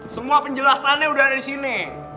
semua penjelasannya sudah ada di sini